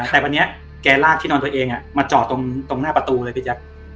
แต่วันนี้แกลากที่นอนตัวเองมาจอดตรงหน้าประตูเลยพี่แจ๊ค